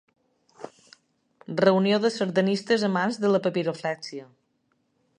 Reunió de sardanistes amants de la papiroflèxia.